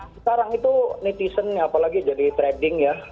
sekarang itu netizen apalagi jadi trading ya